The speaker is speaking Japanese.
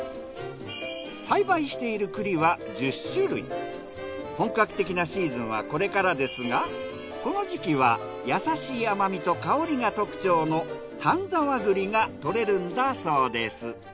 小西さんは本格的なシーズンはこれからですがこの時期は優しい甘みと香りが特徴の丹沢栗が採れるんだそうです。